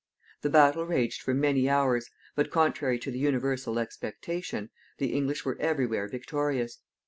The battle raged for many hours, but, contrary to the universal expectation, the English were every where victorious.